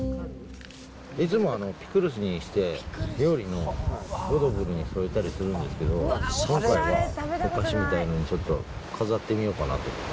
いつもはピクルスにして、料理のオードブルに添えたりするんですけど、今回はお菓子みたいに、ちょっと飾ってみようかなと。